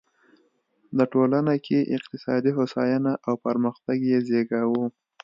د ټولنه کې اقتصادي هوساینه او پرمختګ یې زېږاوه.